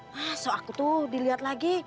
masuk aku tuh dilihat lagi